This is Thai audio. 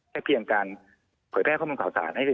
เพียงการเผยแพร่ข้อมูลข่าวสาร